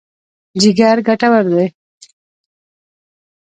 جګر ګټور دی.